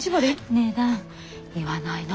値段言わないの。